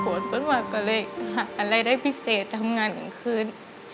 ผมก็พอมาควรก็หาอะไรได้พิเศษทำงานมีคืน